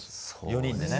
４人でね。